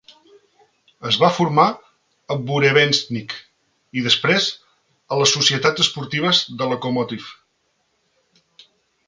Es va formar a Burevestnik i després a les societats esportives de Lokomotiv.